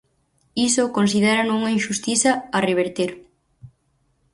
Iso considérano unha inxustiza a reverter.